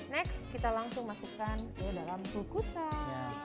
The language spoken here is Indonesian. next kita langsung masukkan ke dalam kulkusan